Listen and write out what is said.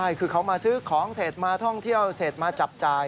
ใช่คือเขามาซื้อของเสร็จมาท่องเที่ยวเสร็จมาจับจ่าย